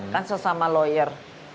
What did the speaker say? kan sesama lawyer